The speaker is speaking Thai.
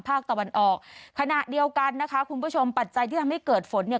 ภาคตะวันออกขณะเดียวกันนะคะคุณผู้ชมปัจจัยที่ทำให้เกิดฝนเนี่ย